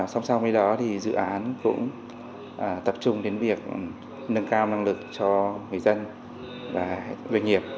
song song với đó thì dự án cũng tập trung đến việc nâng cao năng lực cho người dân và doanh nghiệp